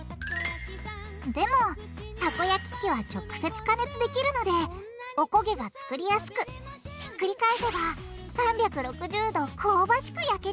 でもたこ焼き器は直接加熱できるのでおこげが作りやすくひっくり返せば３６０度香ばしく焼けちゃうんです！